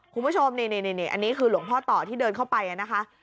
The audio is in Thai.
คุณผู้ชมนี่อันนี้คือหลวงพ่อต่อที่เดินเข้าไปนะคะ